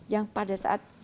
yang pada saat